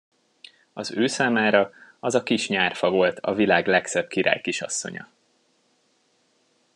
Az ő számára az a kis nyárfa volt a világ legszebb királykisasszonya.